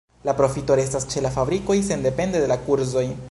La profito restas ĉe la fabrikoj sendepende de la kurzoj.